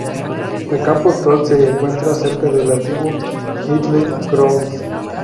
El campo actual se encuentra cerca del antiguo Middle Ground.